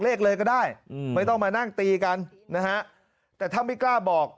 เลขเลยก็ได้ไม่ต้องมานั่งตีกันนะฮะแต่ถ้าไม่กล้าบอก